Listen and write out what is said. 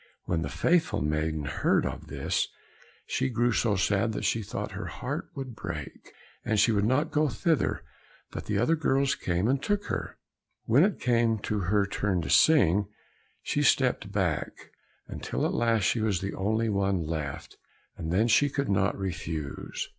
When the faithful maiden heard of this, she grew so sad that she thought her heart would break, and she would not go thither, but the other girls came and took her. When it came to her turn to sing, she stepped back, until at last she was the only one left, and then she could not refuse.